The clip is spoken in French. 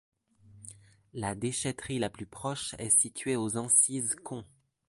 La déchèterie la plus proche est située aux Ancizes-Comps.